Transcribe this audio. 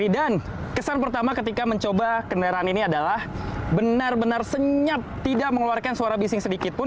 kesan pertama ketika mencoba kendaraan ini adalah benar benar senyap tidak mengeluarkan suara bising sedikit pun